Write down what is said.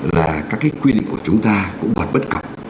là các cái quy định của chúng ta cũng còn bất cập